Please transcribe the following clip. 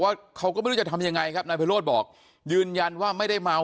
เขาก็ไม่รู้จะทำยังไงครับนายไพโรธบอกยืนยันว่าไม่ได้เมา